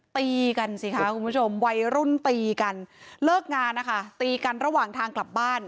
ตีกันสิคะคุณผู้ชมวัยรุ่นตีกันเลิกงานนะคะตีกันระหว่างทางกลับบ้าน